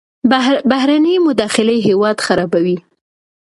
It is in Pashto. بهرنۍ مداخلې هیواد خرابوي.